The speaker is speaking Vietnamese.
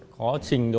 có trình độ